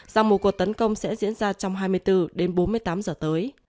rằng một cuộc tấn công sẽ diễn ra trong hai mươi bốn đến bốn mươi tám giờ tới